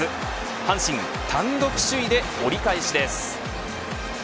阪神、単独首位で折り返しです。